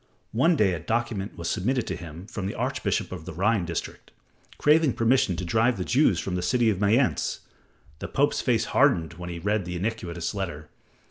One day a document was submitted to him from the archbishop of the Rhine district, craving permission to drive the Jews from the city of Mayence. The Pope's face hardened when he read the iniquitous letter.